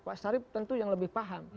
pak sarif tentu yang lebih paham